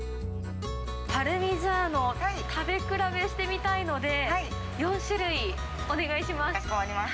パルミジャーノ、食べ比べしてみたいので、４種類お願いします。